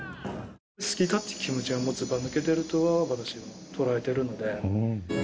好きだって気持ちはずば抜けてるとは私は捉えてるので。